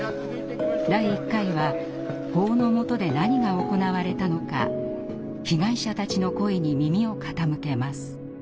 第１回は法の下で何が行われたのか被害者たちの声に耳を傾けます。